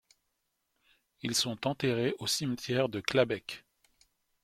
Ils sont enterrés au cimetière de Clabecq.